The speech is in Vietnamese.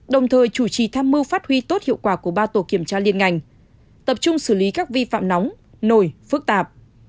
đồng thời chủ trì tham mưu phát huy tốt hiệu quả của ba tổ kiểm tra liên ngành tập trung xử lý các vi phạm nóng nổi phức tạp